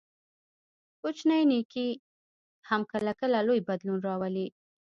کوچنی نیکي هم کله کله لوی بدلون راولي.